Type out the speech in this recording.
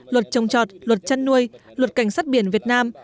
luật trồng trọt luật chăn nuôi luật cảnh sát biển việt nam